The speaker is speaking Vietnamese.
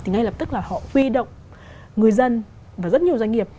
thì ngay lập tức là họ huy động người dân và rất nhiều doanh nghiệp